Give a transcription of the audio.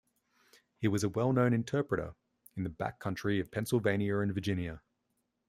He was a well-known interpreter in the backcountry of Pennsylvania and Virginia.